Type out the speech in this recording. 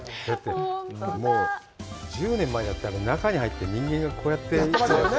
１０年前だったら、中に入って人間がこうやってね。